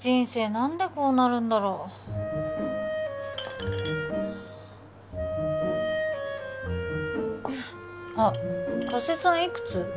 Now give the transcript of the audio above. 何でこうなるんだろうあっ加瀬さんいくつ？